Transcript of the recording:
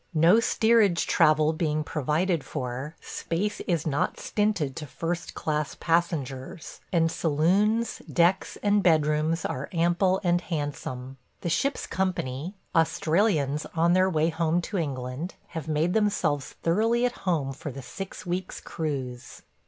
No steerage travel being provided for, space is not stinted to first class passengers, and saloons, decks, and bedrooms are ample and handsome. The ship's company, Australians on their way home to England, have made themselves thoroughly at home for the six weeks' cruise.